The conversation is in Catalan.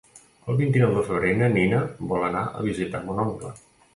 El vint-i-nou de febrer na Nina vol anar a visitar mon oncle.